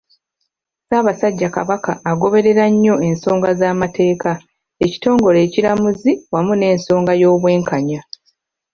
Ssaabasajja Kabaka agoberera nnyo ensonga z'amateeka, ekitongole ekiramuzi wamu n'ensonga y'Obwenkanya